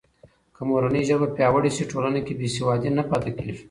که مورنۍ ژبه پیاوړې سي، ټولنه کې بې سوادي نه پاتې کېږي.